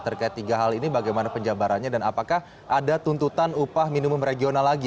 terkait tiga hal ini bagaimana penjabarannya dan apakah ada tuntutan upah minimum regional lagi